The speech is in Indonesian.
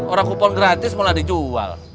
orang kupon gratis mulai dijual